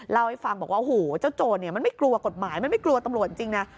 เล่าให้ฟังบอกว่าโอ้โหเจ้าโจรมันไม่กลัวกฎหมายมันไม่กลัวตำรวจจริงนะ